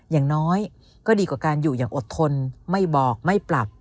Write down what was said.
อย่างน้อยก็ดีกว่าการอยู่อย่างอดทนไม่บอกไม่ปรับ